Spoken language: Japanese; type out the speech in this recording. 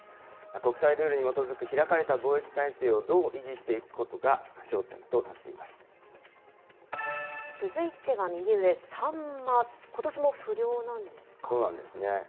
国際ルールに基づく開かれた貿易体制をどう維持していくことが焦続いては右上、サンマ、ことそうなんですね。